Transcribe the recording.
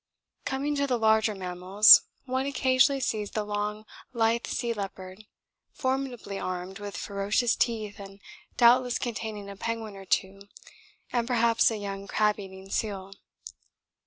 Coming to the larger mammals, one occasionally sees the long lithe sea leopard, formidably armed with ferocious teeth and doubtless containing a penguin or two and perhaps a young crab eating seal.